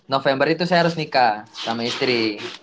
november itu saya harus nikah sama istri